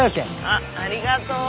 あっありがとう。